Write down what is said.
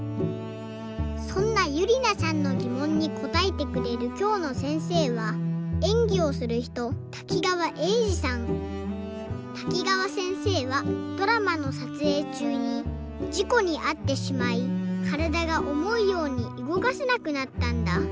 そんなゆりなさんのぎもんにこたえてくれるきょうのせんせいはえんぎをするひとたきがわせんせいはドラマのさつえいちゅうにじこにあってしまいからだがおもうようにうごかせなくなったんだ。